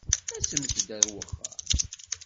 Asemt-d ar wexxam.